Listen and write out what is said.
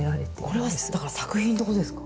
これはだから作品ってことですか？